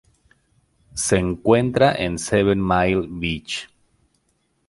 Se encuentra en Seven Mile Beach.